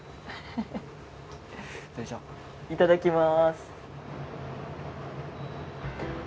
いただきまーす。